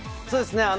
そうですね。